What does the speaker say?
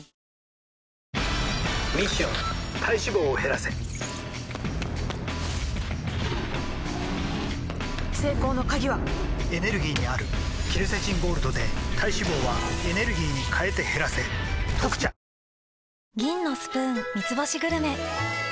ミッション体脂肪を減らせ成功の鍵はエネルギーにあるケルセチンゴールドで体脂肪はエネルギーに変えて減らせ「特茶」「ビオレＵＶ」